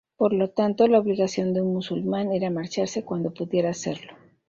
Por lo tanto, la obligación de un musulmán era marcharse cuando pudiera hacerlo.